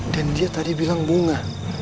dan dia tadi bilang bunga